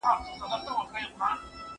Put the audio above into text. زه پرون د لوبو لپاره وخت نيسم وم!!